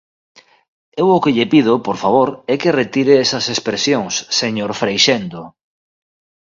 Eu o que lle pido, por favor, é que retire esas expresións, señor Freixendo.